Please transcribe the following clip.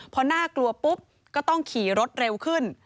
พอน่ากลัวปุ๊บก็ต้องขี่รถเร็วขึ้น